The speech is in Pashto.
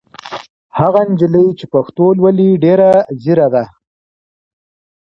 هغه نجلۍ چې پښتو لولي ډېره ځېره ده.